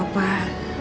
udah lama gak nanya